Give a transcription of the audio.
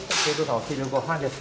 お昼ごはんです。